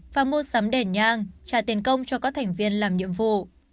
và mua sắm đèn nhang trả tiền công cho các thành viên làm nhiệm vụ